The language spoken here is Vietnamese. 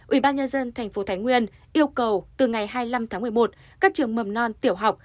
ubnd tp thái nguyên yêu cầu từ ngày hai mươi năm tháng một mươi một các trường mầm non tiểu học